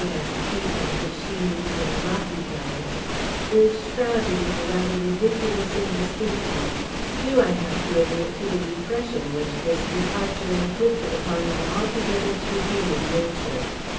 and Pete and The Sheeneys and Rockyfeller is shrouded in a rather ridiculous indistinctness; due, I have to admit, to the depression which this departure inflicted upon my altogether too human nature.